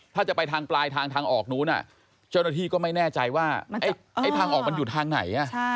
ถ้าจะไปทางปลายทางทางออกนู้นเจ้าหน้าที่ก็ไม่แน่ใจว่าทางออกมันอยู่ทางไหน